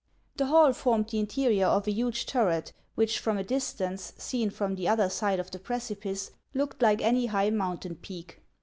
The hall formed the interior of a huge turret which from a distance, seen from the other side of the precipice, looked like any high mountain peak.